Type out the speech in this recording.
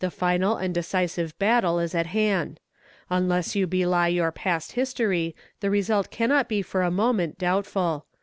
The final and decisive battle is at hand. Unless you belie your past history, the result cannot be for a moment doubtful.